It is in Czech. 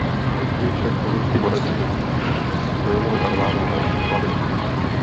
Později však byli poraženi spojenou armádou Elfů a Lidí.